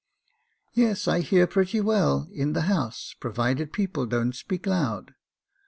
" Yes, I hear very well in the house, provided people don't speak loud."